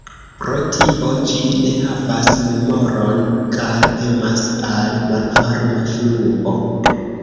Pro tio ĝi ne havas memoron, kaj emas al malvarma fluo.